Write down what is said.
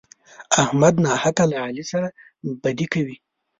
احمد ناحقه له علي سره بدي کوي.